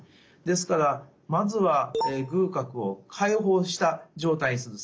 ですからまずは隅角を開放した状態にする。